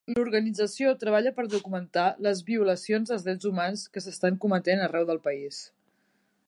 L'organització treballa per documentar les violacions dels drets humans que s'estan cometent arreu del país.